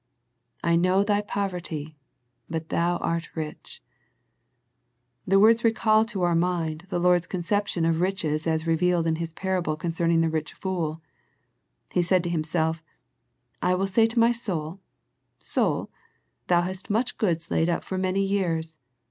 " I know thy poverty (but thou art rich)." The words recall to our mind, the Lord's conception of riches as revealed in His parable concerning the rich fool. He said to himself, " I will say to my soul. Soul, thou hast much goods laid up for many years."